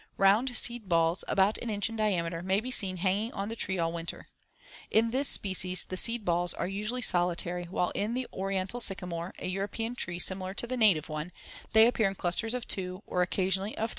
*Round seed balls*, about an inch in diameter, may be seen hanging on the tree all winter. In this species, the seed balls are usually solitary, while in the Oriental sycamore, a European tree similar to the native one, they appear in clusters of two, or occasionally of three or four.